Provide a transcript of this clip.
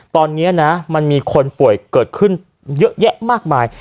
ตอนนี้นะมันมีคนป่วยเกิดขึ้นเยอะแยะมากมาย